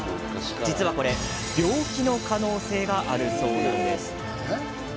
実はこれ、病気の可能性があるそうなんです。